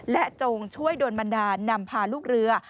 และจงช่วยโดนบันดาลนำพาลูกเรือ